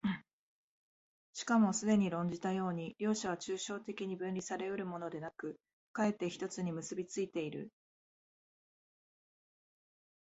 しかもすでに論じたように、両者は抽象的に分離され得るものでなく、却って一つに結び付いている。